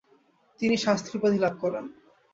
তিনি ‘শাস্ত্রী’ উপাধি লাভ করেন।